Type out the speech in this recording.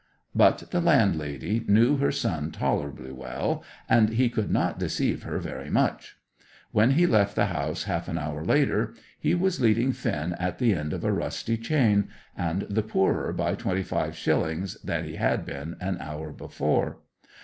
But the landlady knew her son tolerably well, and he could not deceive her very much. When he left the house half an hour later he was leading Finn at the end of a rusty chain, and the poorer by twenty five shillings than he had been an hour before.